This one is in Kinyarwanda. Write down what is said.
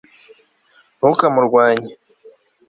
ntukamurwanye